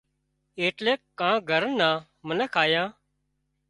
ايٽليڪ ڪانڪ گھر نان منک آيان